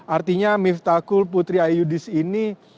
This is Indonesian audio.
artinya miftakul putri ayudis ini